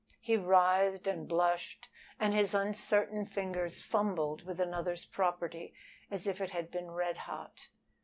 He writhed and blushed, and his uncertain fingers fumbled with another's property as if it had been red hot.